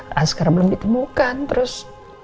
raskara belum ditemukan terus